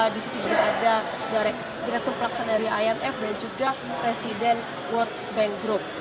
di situ juga ada direktur pelaksana dari imf dan juga presiden world bank group